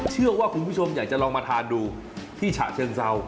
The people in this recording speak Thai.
เชื่อว่าคุณผู้ชมอยากจะลองมาทานดูที่ฉะเชิงเซา